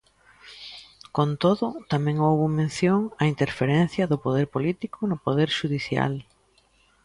Con todo, tamén houbo mención á "interferencia do poder político no poder xudicial".